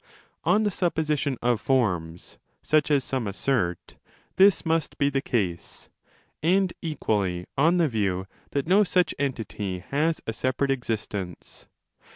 On the supposition of Forms such as some assert, this must be the case, and equally on the view that no such entity has a separate existence.